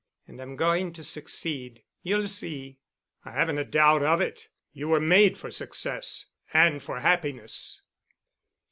And I'm going to succeed. You'll see." "I haven't a doubt of it. You were made for success—and for happiness."